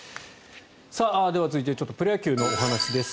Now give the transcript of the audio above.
では続いてプロ野球のお話です。